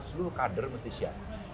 seluruh kader mesti siap